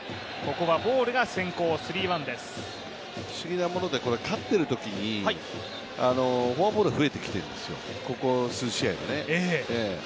不思議なもので勝っているときにフォアボール増えてきているんですよ、ここ数試合のね。